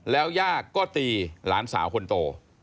แล้วย่าก็ตีหลานสาวคนโต